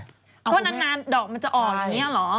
เพราะนานดอกมันจะออกอยู่เนี่ยเหรอ